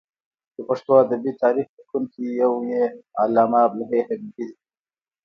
د پښتو ادبي تاریخ لیکونکی یو یې علامه عبدالحی حبیبي دی.